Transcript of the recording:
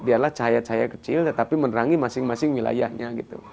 jadi biarlah cahaya cahaya kecil tetapi menerangi masing masing wilayahnya